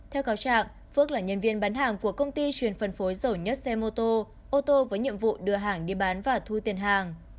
theo cáo trạng phước là nhân viên bán hàng của công ty truyền phân phối dầu nhất xe mô tô ô tô với nhiệm vụ đưa hàng đi bán và thu tiền hàng